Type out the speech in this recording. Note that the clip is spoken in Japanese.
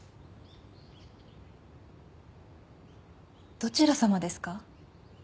どちら様ですか？